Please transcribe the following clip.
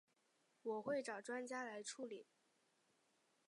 我会找专家来处理